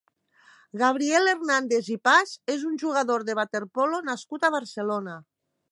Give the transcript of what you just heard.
Gabriel Hernández i Paz és un jugador de waterpolo nascut a Barcelona.